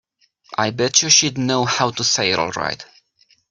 I bet you she'd know how to say it all right.